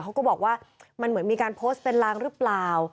เขาก็บอกว่ามันเหมือนมีการโพสต์เป็นลางหรือเปล่า